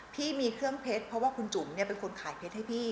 พี่มีเครื่องเพชรเพราะว่าคุณจุ๋มเป็นคนขายเพชรให้พี่